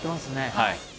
はい。